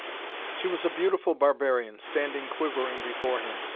She was a beautiful barbarian, standing quivering before him.